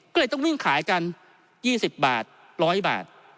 ก็เลยต้องวิ่งขายกัน๒๐บาท๑๐๐บาท